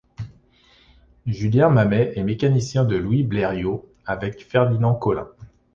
Julien Mamet est mécanicien de Louis Blériot, avec Ferdinand Collin.